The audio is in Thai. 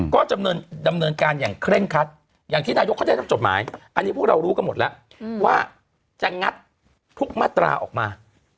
ก็ดำเนินการอย่างเคร่งคัดอย่างที่นายกเขาได้รับจดหมายอันนี้พวกเรารู้กันหมดแล้วว่าจะงัดทุกมาตราออกมา